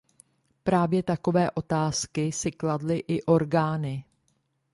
Právě takové otázky si kladly i orgány.